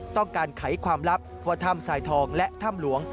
ไขความลับว่าถ้ำสายทองและถ้ำหลวง